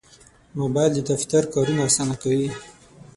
موبایل د دفتر کارونه اسانه کوي.